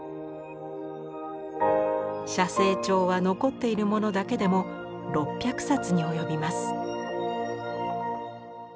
写生帖は残っているものだけでも６００冊に及びます。